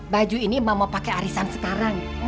baju ini mbak mau pakai arisan sekarang